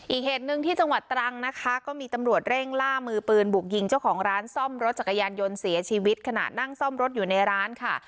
อีกเหตุหนึ่งที่จังหวัดตรังนะคะก็มีตำรวจเร่งล่ามือปืนบุกยิงเจ้าของร้านซ่อมรถจักรยานยนต์เสียชีวิตขณะนั่งซ่อมรถอยู่ในร้านค่ะ